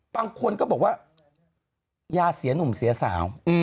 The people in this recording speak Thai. บางคนก็บอกว่าอย่าเสียหนุ่มเสียสาว